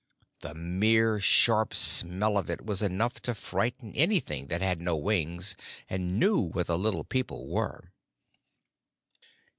The mere sharp smell of it was enough to frighten anything that had no wings, and knew what the Little People were.